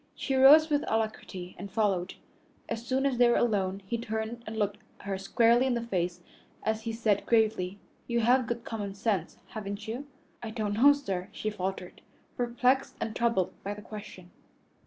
She rose with alacrity and followed. As soon as they were alone, he turned and looked her squarely in the face as he said gravely, "You have good common sense, haven't you?" "I don't know, sir," she faltered, perplexed and troubled by the question.